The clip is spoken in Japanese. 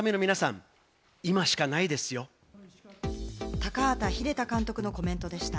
タカハタ秀太監督のコメントでした。